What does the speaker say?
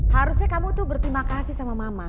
harusnya kamu tuh berterima kasih sama mama